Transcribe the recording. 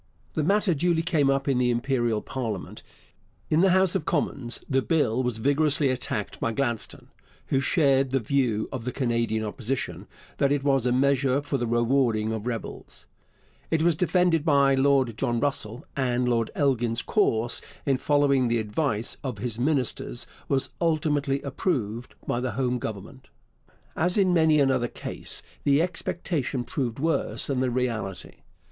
The matter duly came up in the Imperial parliament. In the House of Commons the Bill was vigorously attacked by Gladstone, who shared the view of the Canadian Opposition that it was a measure for the rewarding of rebels. It was defended by Lord John Russell, and Lord Elgin's course in following the advice of his ministers was ultimately approved by the home government. As in many another case, the expectation proved worse than the reality.